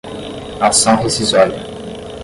ação rescisória